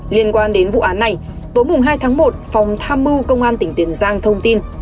liên quan đến vụ án này tối hai tháng một phòng tham mưu công an tỉnh tiền giang thông tin